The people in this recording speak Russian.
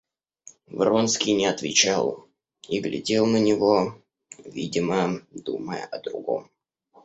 Вронский не отвечал и глядел на него, видимо, думая о другом.